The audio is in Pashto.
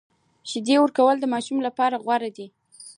شیدې ورکول د ماشوم لپاره غوره دي۔